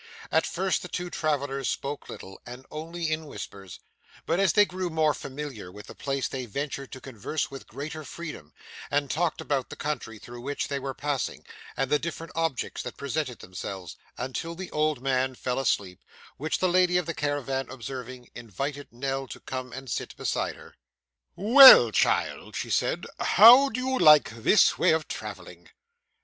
At first the two travellers spoke little, and only in whispers, but as they grew more familiar with the place they ventured to converse with greater freedom, and talked about the country through which they were passing, and the different objects that presented themselves, until the old man fell asleep; which the lady of the caravan observing, invited Nell to come and sit beside her. 'Well, child,' she said, 'how do you like this way of travelling?